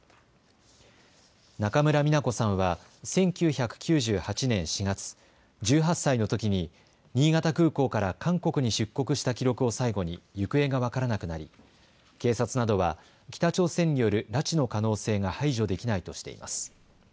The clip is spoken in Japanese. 中村三奈子さんは１９９８年４月、１８歳のときに新潟空港から韓国に出国した記録を最後に行方が分からなくなり、警察などは北朝鮮による拉致の可能性が排除できないとしています。